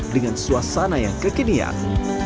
dengan suasana yang kekinian